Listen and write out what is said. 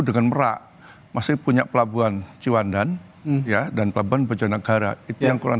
dengan merak masih punya pelabuhan ciwandan ya dan pelabuhan bojonegara itu yang kurang